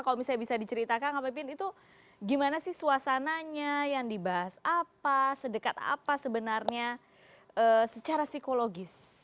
kalau misalnya bisa diceritakan kang pipin itu gimana sih suasananya yang dibahas apa sedekat apa sebenarnya secara psikologis